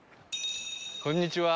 こんにちは。